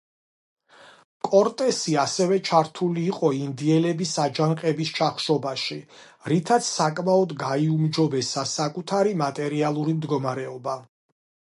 კორტესი ასევე ჩართული იყო ინდიელების აჯანყების ჩახშობაში, რითაც საკმაოდ გაიუმჯობესა საკუთარი მატერიალური მდგომარეობა.